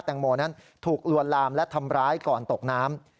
งโมนั้นถูกลวนลามและทำร้ายก่อนตกน้ำ